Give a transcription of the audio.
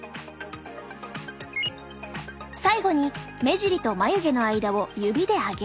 最後に目尻と眉毛の間を指で上げる。